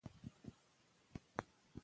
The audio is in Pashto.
موږ مخکې دا ستونزه حل کړې وه.